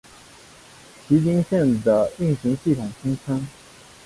崎京线的运行系统通称。